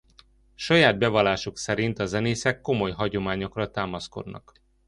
Saját bevallásuk szerint a zenészek komoly hagyományokra támaszkodnak.